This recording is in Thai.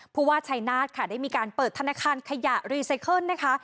ผู้ว่าชัยนาธค่ะได้มีการเปิดธนาคารขยะรีไซเคิลนะคะ